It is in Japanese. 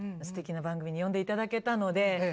すてきな番組に呼んで頂けたので。